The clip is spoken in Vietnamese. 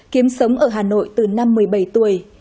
kiếm sống ở hà nội từ năm một mươi bảy tuổi